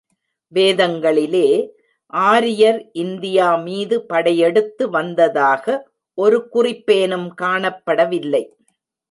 வேதங்களிலே, ஆரியர் இந்தியா மீது படையெடுத்து வந்ததாக ஒரு குறிப்பேனும் காணப்படவில்லை.